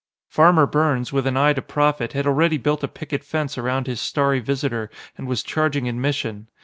Farmer Burns, with an eye to profit, had already built a picket fence around his starry visitor and was charging admission.